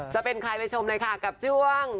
จะเป็นใครไปชมเลยค่ะกับช่วง